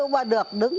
và được đứng